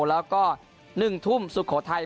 แล้วก็๑ทุ่มสุโขทัย